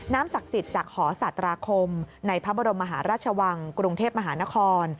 ศักดิ์สิทธิ์จากหอสาตราคมในพระบรมมหาราชวังกรุงเทพมหานคร